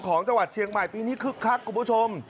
ของจังหวัดเชียงใหม่ปีนี้คึกคักคุณผู้ชม